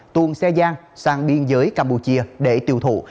tuôn xe gian sang biên giới campuchia để tiêu thụ